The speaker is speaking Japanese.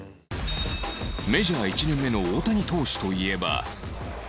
メジャー１年目の大谷投手といえば